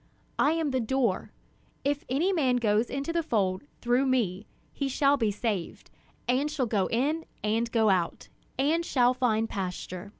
I am the door; if any man goes into the fold through me, he shall be saved, and shall go in and go out, and shall find pasture.